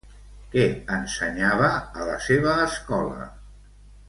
Què ensenyava a la seva escola?